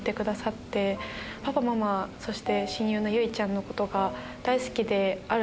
パパママそして親友のゆいちゃんのことが。